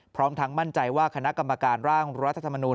พร้อมทั้งมั่นใจว่าคณะกรรมการร่างรัฐธรรมนูล